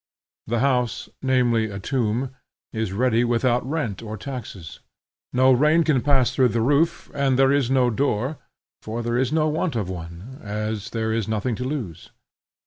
The house, namely a tomb, is ready without rent or taxes. No rain can pass through the roof, and there is no door, for there is no want of one, as there is nothing to lose.